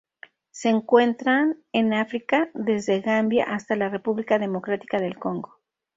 Se encuentran en África: desde Gambia hasta la República Democrática del Congo.